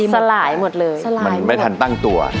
มันไม่ทันตั้งตัว